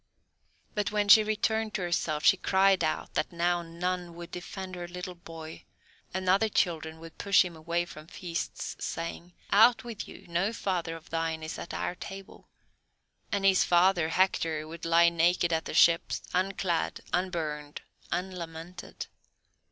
But when she returned to herself she cried out that now none would defend her little boy, and other children would push him away from feasts, saying, "Out with you; no father of thine is at our table," and his father, Hector, would lie naked at the ships, unclad, unburned, unlamented.